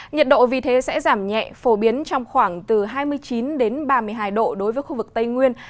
nhiệt độ vì thế sẽ giảm nhẹ phổ biến trong khoảng từ hai mươi chín ba mươi hai độ đối với khu vực tây nguyên